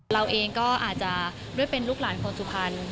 เราเองก็อาจจะด้วยเป็นลูกหลานคนสุพรรณ